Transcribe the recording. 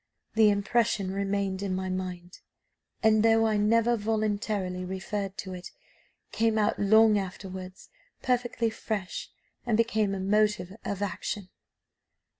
The impression remained in my mind, and though I never voluntarily recurred to it, came out long afterwards, perfectly fresh, and became a motive of action.